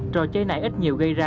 trò chơi này ít nhiều gây ra